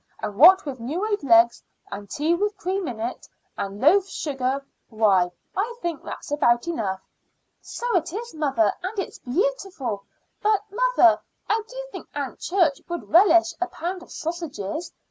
And what with new laid eggs, and tea with cream in it, and loaf sugar, why, I think that's about enough." "So it is, mother; and it's beautiful. But, mother, I do think Aunt Church would relish a pound of sausages.